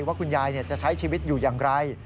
ว่าคุณยายจะใช้ชีวิตอยู่อย่างไร